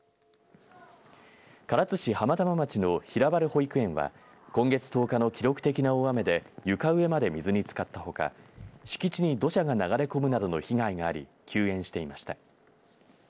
唐津市浜玉町の平原保育園は今月１０日の記録的な大雨で床上まで水につかったほか敷地に土砂が流れ込むなどの被害があり休園していました。